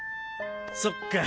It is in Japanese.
そっか。